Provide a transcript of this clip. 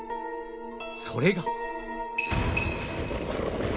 それが